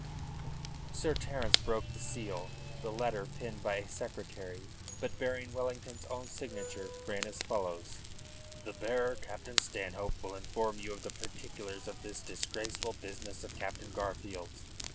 Sir Terence broke the seal. The letter, penned by a secretary, but bearing Wellington's own signature, ran as follows: "The bearer, Captain Stanhope, will inform you of the particulars of this disgraceful business of Captain Garfield's.